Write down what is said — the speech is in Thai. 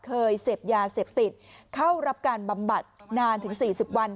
เคยเสพยาเสพติดเข้ารับการบำบัดนานถึง๔๐วัน